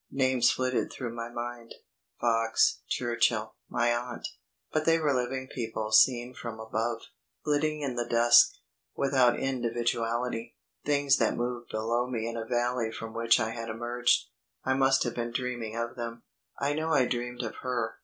Names flitted through my mind Fox, Churchill, my aunt; but they were living people seen from above, flitting in the dusk, without individuality; things that moved below me in a valley from which I had emerged. I must have been dreaming of them. I know I dreamed of her.